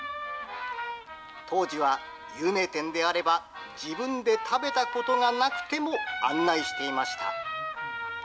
当時は、有名店であれば、自分で食べたことがなくても案内していました。